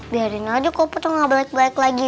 biarin aja kok pocong gak balik balik lagi